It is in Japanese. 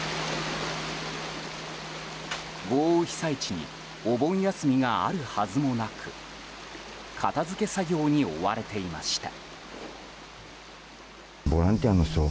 豪雨被災地にお盆休みがあるはずもなく片付け作業に追われていました。